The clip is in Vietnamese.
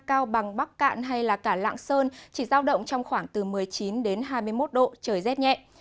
cao bằng bắc cạn hay cả lạng sơn chỉ giao động trong khoảng từ một mươi chín đến hai mươi một độ trời rét nhẹ